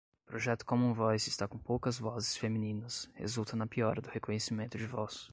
Projeto commonvoice está com poucas vozes femininas, resulta na piora do reconhecimento de voz